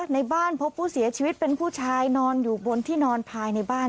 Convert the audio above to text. ในบ้านพบผู้เสียชีวิตเป็นผู้ชายนอนอยู่บนที่นอนภายในบ้าน